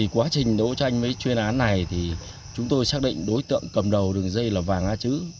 quá trình đấu tranh với chuyên án này thì chúng tôi xác định đối tượng cầm đầu đường dây là vàng a chứ